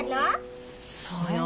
そうよ。